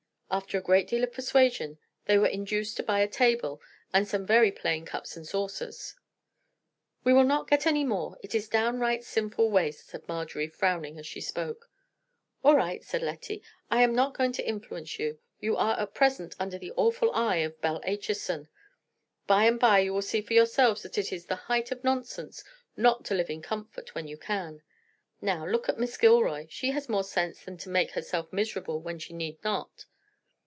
After a great deal of persuasion they were induced to buy a table and some very plain cups and saucers. "We will not get any more; it is downright sinful waste," said Marjorie, frowning as she spoke. "All right," said Lettie. "I am not going to influence you. You are at present under the awful eye of Belle Acheson. By and by you will see for yourselves that it is the height of nonsense not to live in comfort when you can. Now, look at Miss Gilroy; she has more sense than to make herself miserable when she need not."